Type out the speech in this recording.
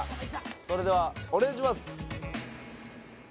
それではお願いします